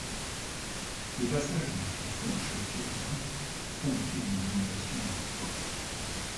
Le passage du typhon sur le Vietnam a provoqué des inondations importantes.